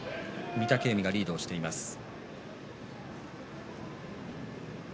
御嶽海がリードしています。